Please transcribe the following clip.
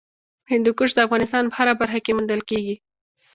هندوکش د افغانستان په هره برخه کې موندل کېږي.